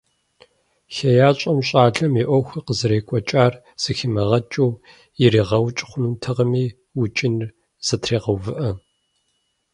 ХеящӀэм щӀалэм и Ӏуэхур къызэрекӀуэкӀар зэхимыгъэкӀыу иригъэукӀ хъунутэкъыми, укӀыныр зэтрегъэувыӀэ.